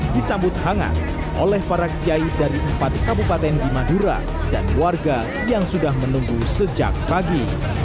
disambut hangat oleh para kiai dari empat kabupaten di madura dan warga yang sudah menunggu sejak pagi